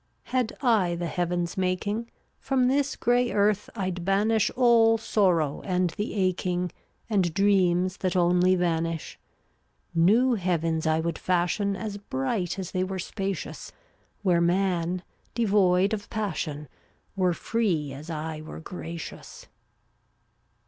378 Had I the heaven's making, From this gray earth I'd banish All sorrow and the aching, And dreams that only vanish. New heavens I would fashion As bright as they were spacious, Where man, devoid of passion, Were free as I were gracious.